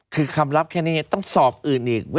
คือคำลับแค่นี้ต้องสอบอื่นอีก